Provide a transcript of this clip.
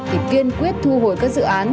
thì kiên quyết thu hồi các dự án